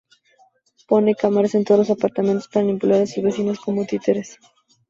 Pone cámaras en todos los apartamentos para manipular a sus vecinos como títeres.